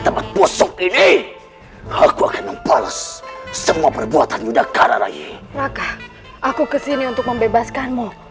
tempat bosok ini aku akan membalas semua perbuatan yudhakara rayi raka aku kesini untuk membebaskanmu